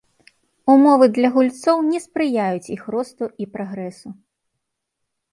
Умовы для гульцоў не спрыяюць іх росту і прагрэсу.